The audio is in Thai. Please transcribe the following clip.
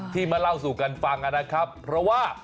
มาเล่าสู่กันฟังนะครับเพราะว่า